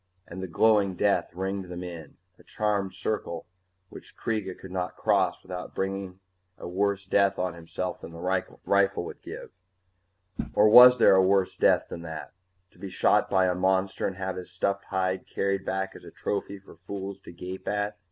And the glowing death ringed them in, a charmed circle which Kreega could not cross without bringing a worse death on himself than the rifle would give Or was there a worse death than that to be shot by a monster and have his stuffed hide carried back as a trophy for fools to gape at?